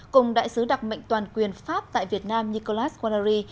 cùng đại sứ đặc mệnh toàn quyền pháp tại việt nam nicolas guari